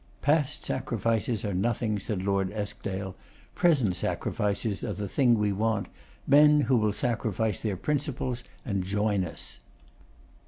'Past sacrifices are nothing,' said Lord Eskdale. 'Present sacrifices are the thing we want: men who will sacrifice their principles and join us.